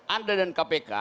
anda dan kpk